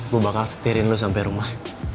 gue bakal setirin lu sampai rumah